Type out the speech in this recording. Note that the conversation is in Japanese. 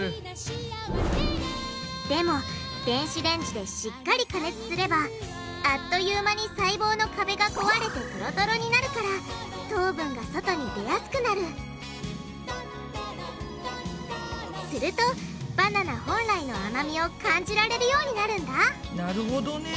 でも電子レンジでしっかり加熱すればあっという間に細胞の壁が壊れてトロトロになるから糖分が外に出やすくなるするとバナナ本来の甘みを感じられるようになるんだなるほどね。